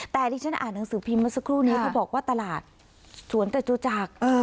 แต่ที่ฉันอ่านหนังสือพิมพ์เมื่อสักครู่นี้เขาบอกว่าตลาดสวนจตุจักร